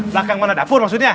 belakang mana dapur maksudnya